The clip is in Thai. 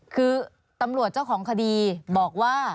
คือตำรวจเจ้าของคดีบอกว่า